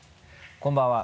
こんばんは。